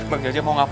bang jaja mau ngapain